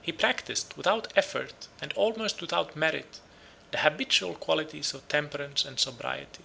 He practised, without effort, and almost without merit, the habitual qualities of temperance and sobriety.